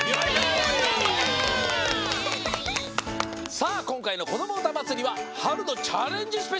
さあこんかいの「こどもうたまつり」は「春のチャレンジ！スペシャル」だよ。